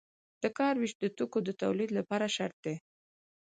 د کار ویش د توکو د تولید لپاره شرط دی.